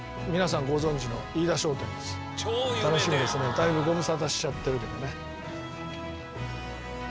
だいぶご無沙汰しちゃってるけどね。